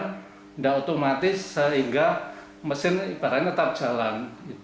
tidak otomatis sehingga mesin ibaratnya tetap jalan